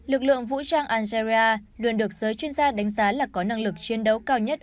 lực lượng vũ trang algeria luôn được giới chuyên gia đánh giá là có năng lực chiến đấu cao nhất